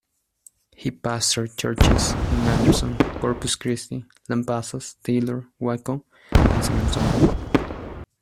He pastored churches in Anderson, Corpus Christi, Lampasas, Taylor, Waco, and San Antonio.